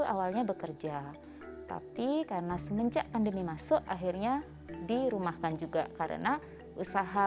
awalnya bekerja tapi karena semenjak pandemi masuk akhirnya dirumahkan juga karena usaha